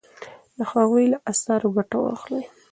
د هغوی له اثارو ګټه واخلئ.